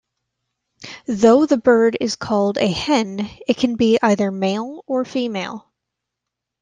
Though the bird is called a "hen", it can be either male or female.